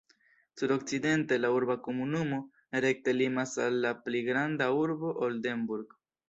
Sudokcidente la urba komunumo rekte limas al la pli granda urbo Oldenburg.